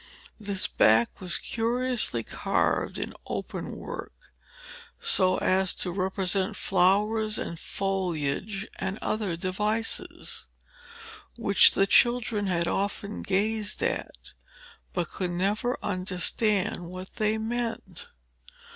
This back was curiously carved in open work, so as to represent flowers and foliage and other devices; which the children had often gazed at, but could never understand what they meant.